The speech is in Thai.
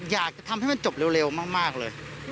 อยากจะทำให้มันจบเร็วมากเลย